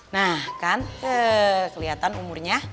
nah kan kelihatan umurnya